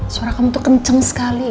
suara kamu tuh kenceng sekali